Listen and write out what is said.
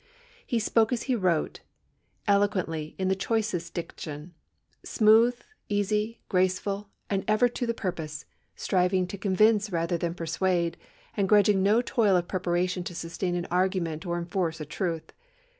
He spoke as he wrote, eloquently in the choicest diction, smooth, easy, graceful, and ever to the purpose, striving to convince rather than persuade, and grudging no toil of preparation to sustain an argument or enforce a truth.